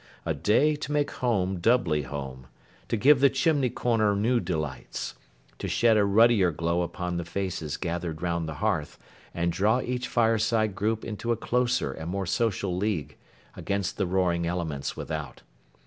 A day to make home doubly home. To give the chimney corner new delights. To shed a ruddier glow upon the faces gathered round the hearth, and draw each fireside group into a closer and more social league, against the roaring elements without.